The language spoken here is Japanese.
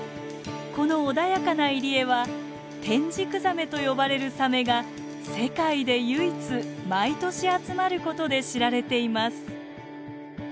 この穏やかな入り江は「テンジクザメ」と呼ばれるサメが世界で唯一毎年集まることで知られています。